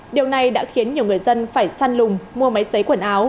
điều này đã khiến nhiều người dân phải săn lùng mua máy xấy quần áo